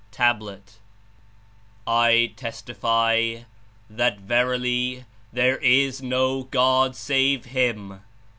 (Tablet) "I testify that, verily, there Is no God save Him!